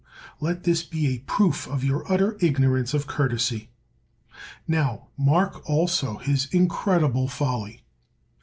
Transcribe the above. Let this be a proof of your utter ignorance of courtesy. Now mark, also, his incredible folly.